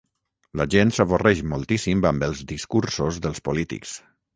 La gent s'avorreix moltíssim amb els discursos dels polítics.